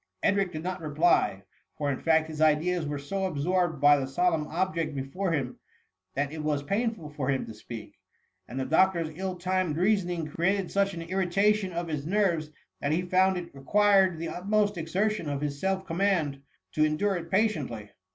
'' Edric did not reply, for in fact his ideas were so absorbed by the solemn object before him, that it was painful for him to speak, and the doctor's ill timed reasoning created such an irri tation of his nerves, that he found it required the utmost exertion of his self command to SOS THK MUMMY. endure it patiently.